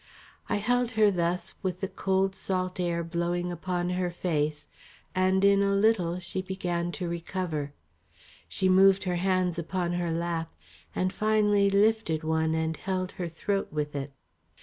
I held her thus with the cold salt air blowing upon her face, and in a little, she began to recover. She moved her hands upon her lap, and finally lifted one and held her throat with it.